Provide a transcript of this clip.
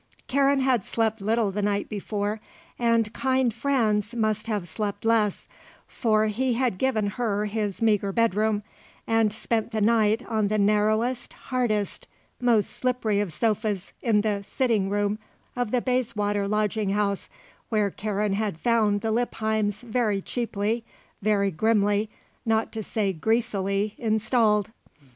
Karen had slept little the night before, and kind Franz must have slept less; for he had given her his meagre bedroom and spent the night on the narrowest, hardest, most slippery of sofas in the sitting room of the Bayswater lodging house where Karen had found the Lippheims very cheaply, very grimly, not to say greasily, installed.